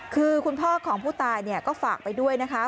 คือคุณพ่อของผู้ตายก็ฝากไปด้วยนะคะ